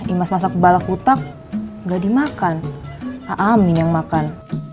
imas masak bala kutuk gak dimakan aamin yang makan